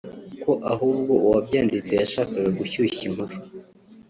ko ahubwo uwabyanditse yashakaga gushyushya inkuru